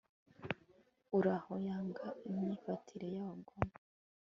uhoraho yanga imyifatire y'abagome